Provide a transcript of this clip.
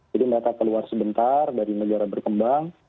jadi mereka keluar sebentar dari negara berkembang